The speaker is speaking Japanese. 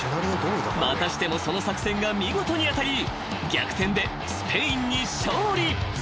［またしてもその作戦が見事に当たり逆転でスペインに勝利］